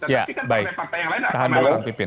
ya baik tahan dulu kak pipin